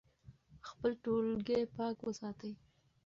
خپل ټولګی پاک وساتئ.